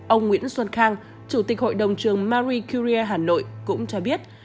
ông nguyễn xuân khang chủ tịch hội đồng trường marie curie hà nội cũng cho biết